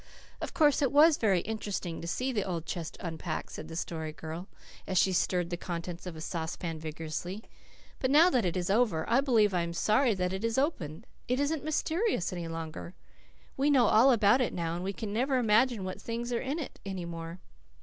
"Of course it was very interesting to see the old chest unpacked," said the Story Girl as she stirred the contents of a saucepan vigorously. "But now that it is over I believe I am sorry that it is opened. It isn't mysterious any longer. We know all about it now, and we can never imagine what things are in it any more."